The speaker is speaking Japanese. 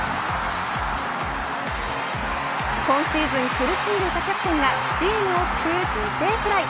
今シーズン苦しんでいたキャプテンがチームを救う犠牲フライ。